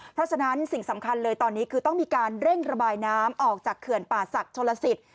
เพราะฉะนั้นสิ่งสำคัญเลยตอนนี้คือต้องมีการเร่งระบายน้ำออกจากเขื่อนป่าศักดิ์ชนลสิต